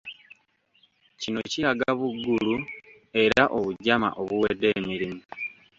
Kino kiraga buggulu era obujama obuwedde emirimu.